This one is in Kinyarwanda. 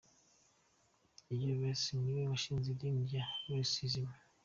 Uyu Luther niwe washinze idini rya Lutheism.